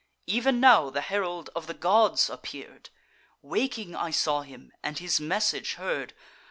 Ev'n now the herald of the gods appear'd: Waking I saw him, and his message heard.